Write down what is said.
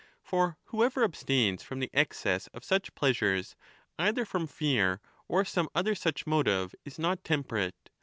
... For whoever abstains from the excess of such pleasures either from fear or some other such motive is not temperate.